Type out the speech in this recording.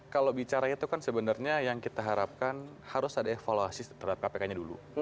kalau bicara itu kan sebenarnya yang kita harapkan harus ada evaluasi terhadap kpk nya dulu